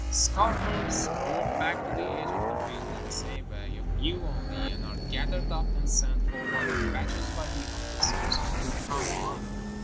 Skulkers work back to the edge of the field in the same way — a few only — and are gathered up and sent forward in batches by the offi cers who come upon them.